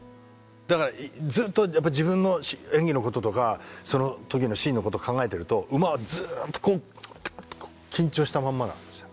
だからずっと自分の演技のこととかその時のシーンのこと考えてると馬はずっとこう緊張したまんまなんですよ。